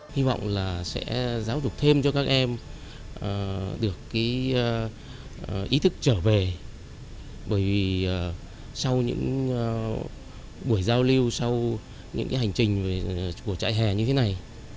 hy vọng là sẽ giáo dục thêm cho các em được ý thức trở về bởi vì sau những buổi giao lưu sau những hành trình của trại hè như thế này